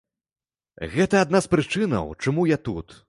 Гэта адна з прычынаў, чаму я тут.